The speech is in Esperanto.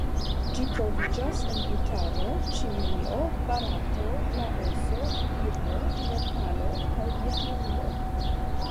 Ĝi troviĝas en Butano, Ĉinio, Barato, Laoso, Birmo, Nepalo kaj Vjetnamio.